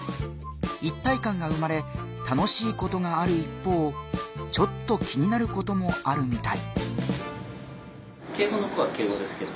一体感が生まれ楽しいことがある一方ちょっと気になることもあるみたい。